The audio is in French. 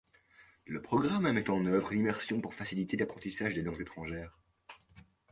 Le programme met en œuvre l'immersion pour faciliter l'apprentissage des langues étrangères.